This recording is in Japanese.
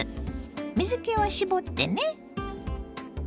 水けは絞ってね。